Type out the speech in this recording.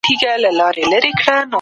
که قدرت وي سیاست هم پیاوړی کیږي.